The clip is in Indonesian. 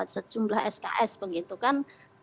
sejumlah sks begitu kan